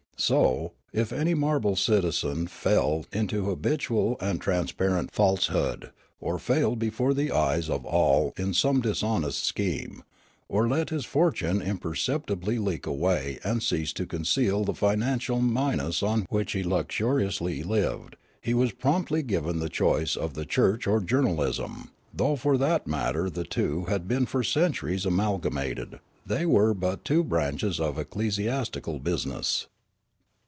So, if any marble citizen fell into habitual and transparent falsehood, or failed before the eyes of all in some dishonest scheme, or let his for tune imperceptibly leak away and ceased to conceal the financial minus on which he luxuriously lived, he was promptly given the choice of the church or journalism; 78 Riallaro though for that matter the two had been for centuries amalgamated ; they were but two branches of ecclesi astical business.